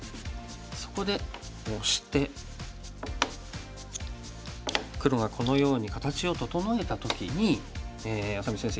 そこでオシて黒がこのように形を整えた時に愛咲美先生